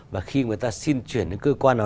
và khi người ta xin chuyển đến cơ quan nào